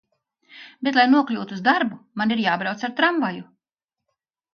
Bet, lai nokļūtu uz darbu, man ir jābrauc ar tramvaju.